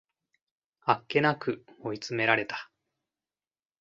あっけなく追い詰められた